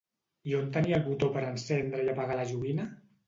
I on tenia el botó per encendre i apagar la joguina?